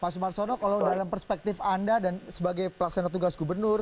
pak sumarsono kalau dalam perspektif anda dan sebagai pelaksana tugas gubernur